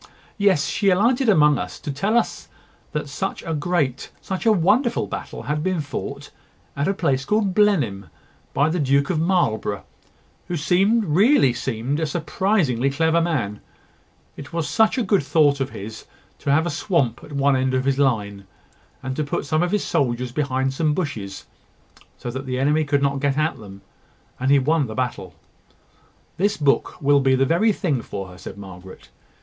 "Yes: she alighted among us to tell us that such a great, such a wonderful battle had been fought, at a place called Blenheim, by the Duke of Marlborough, who really seemed a surprisingly clever man: it was such a good thought of his to have a swamp at one end of his line, and to put some of his soldiers behind some bushes, so that the enemy could not get at them! and he won the battle." "This book will be the very thing for her," said Margaret.